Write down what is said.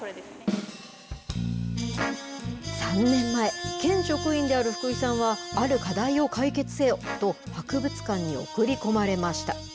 ３年前、県職員である福井さんは、ある課題を解決せよと、博物館に送り込まれました。